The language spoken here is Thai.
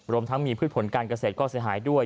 รวมทั้งมีพืชผลการเกษตรก็เสียหายด้วย